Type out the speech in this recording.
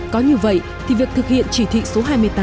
có như vậy thì việc thực hiện chỉ thị số hai mươi tám